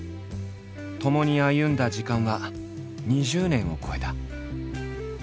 ともに歩んだ時間は２０年を超えた。